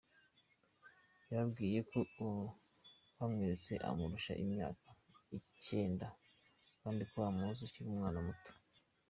Yababwiye ko uwo bamweretse amurusha imyaka icyenda kandi ko amuzi akiri umwana muto.